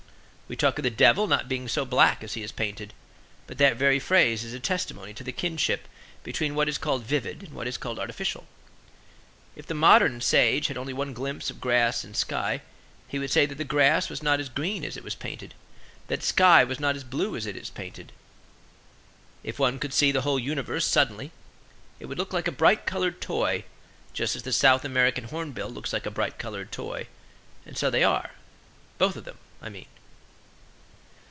We talk of the devil not being so black as he is painted; but that very phrase is a testimony to the kinship between what is called vivid and what is called artificial. If the modern sage had only one glimpse of grass and sky, he would say that grass was not as green as it was painted; that sky was not as blue as it was painted. If one could see the whole universe suddenly, it would look like a bright colored toy, just as the South American hornbill looks like a bright colored toy. And so they are both of them, I mean.